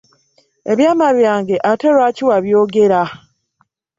Ebyama byange ate lwaki wabyogera?